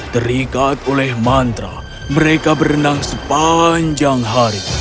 terikat oleh mantra mereka berenang sepanjang hari